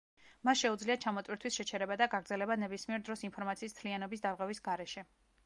მას შეუძლია ჩამოტვირთვის შეჩერება და გაგრძელება ნებისმიერ დროს ინფორმაციის მთლიანობის დარღვევის გარეშე.